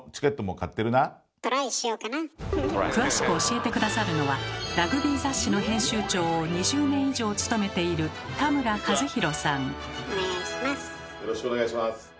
詳しく教えて下さるのはラグビー雑誌の編集長を２０年以上務めているよろしくお願いします。